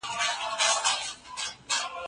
د استاد کلمات د ملغلرو په څېر قیمت لري.